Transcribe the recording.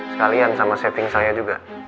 sekalian sama setting saya juga